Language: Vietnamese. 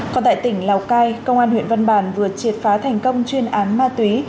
còn tại tỉnh lào cai công an huyện văn bàn vừa triệt phá thành công chuyên án ma túy